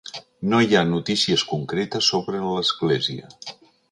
No hi ha notícies concretes sobre l'església.